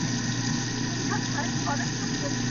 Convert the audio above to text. • د زنگي لالا واده دئ، غول باسي ننه باسي.